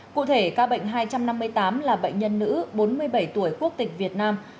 cụ thể ca bệnh hai trăm năm mươi tám là bệnh nhân nữ bốn mươi bảy tuổi quốc tịch việt nam